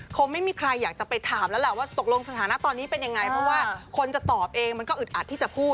คงไม่มีใครอยากจะไปถามแล้วล่ะว่าตกลงสถานะตอนนี้เป็นยังไงเพราะว่าคนจะตอบเองมันก็อึดอัดที่จะพูด